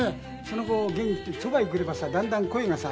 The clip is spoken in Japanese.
その後そばへ来ればさだんだん声がさ